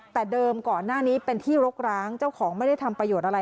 แต่เดิมก่อนหน้านี้เป็นที่รกร้างเจ้าของไม่ได้ทำประโยชน์อะไร